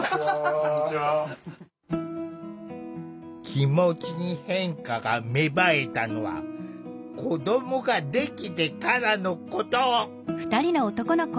気持ちに変化が芽生えたのは子どもができてからのこと。